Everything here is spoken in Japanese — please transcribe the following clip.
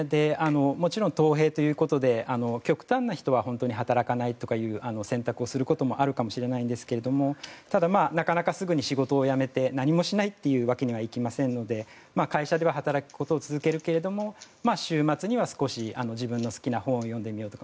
もちろんトウヘイということで極端な人は本当に働かないとかいう選択もあるかもしれないんですがすぐに仕事を辞めて何もしないというわけにはいきませんので会社では働くことを続けるけれど週末には少し自分の好きな本を読んでみようとか